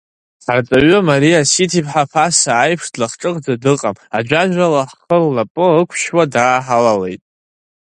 Ҳарҵаҩы, Мариа Сиҭ-иԥҳа, ԥаса аиԥш длахҿыхӡа дыҟам, аӡәаӡәала ҳхы лнапы ықәшьуа, даа-ҳалалаеит.